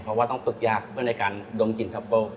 เพราะว่าต้องฝึกยากเพื่อในการดมกลิ่นท็อปโป้